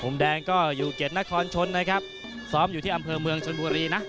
แดงก็อยู่เกียรตินครชนนะครับซ้อมอยู่ที่อำเภอเมืองชนบุรีนะ